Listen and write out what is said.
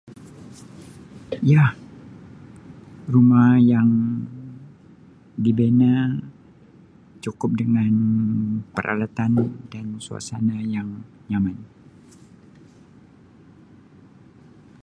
Ya rumah yang dibina cukup dengan peralatan dan suasana yang nyaman.